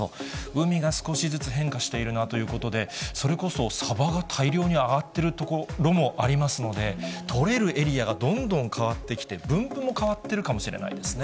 海が少しずつ変化しているなということで、それこそサバが大量に揚がってる所もありますので、取れるエリアがどんどん変わってきて、分布も変わってるかもしれないですね。